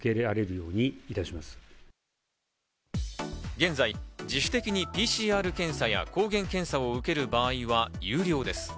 現在、自主的にＰＣＲ検査や抗原検査を受ける場合は有料です。